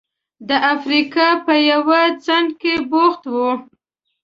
د افریقا په یوه څنډه کې بوخت و.